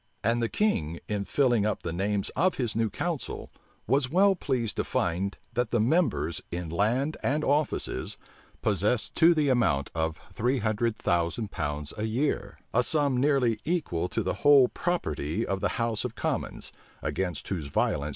And the king, in filling up the names of his new council, was well pleased to find, that the members, in land and offices, possessed to the amount of three hundred thousand pounds a year; a sum nearly equal to the whole property of the house of commons, against whose violence the new council was intended as a barrier to the throne.